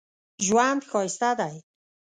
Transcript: ژوند ښایسته دی